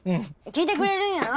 聞いてくれるんやろ？